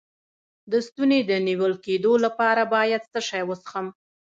د ستوني د نیول کیدو لپاره باید څه شی وڅښم؟